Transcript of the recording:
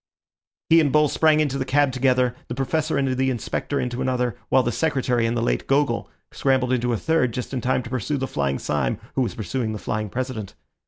He and Bull sprang into the cab together, the Professor and the Inspector into another, while the Secretary and the late Gogol scrambled into a third just in time to pursue the flying Syme, who was pursuing the flying President.